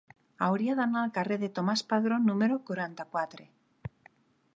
Hauria d'anar al carrer de Tomàs Padró número quaranta-quatre.